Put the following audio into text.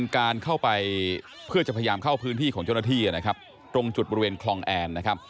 การเข้าไปเพื่อจะพยายามเข้าพื้นที่ของเจ้าหน้าที่นะครับตรงจุดบริเวณคลองแอนนะครับ